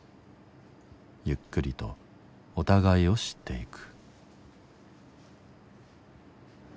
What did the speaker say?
ゆっくりとお互いを知っていく。